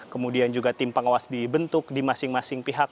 kemudian juga tim pengawas dibentuk di masing masing pihak